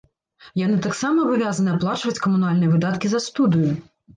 Яны таксама абавязаны аплачваць камунальныя выдаткі за студыю.